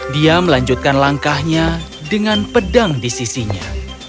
dia melanjutkan langkahnya dengan pedang di sisinya